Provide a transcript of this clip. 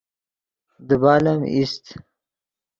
دیبال ام ایست